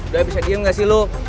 udah bisa diem gak sih lo